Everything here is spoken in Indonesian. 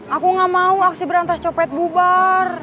aku gak mau aksi berantas copet bubar